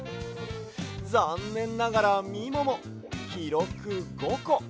ざんねんながらみももきろく５こ。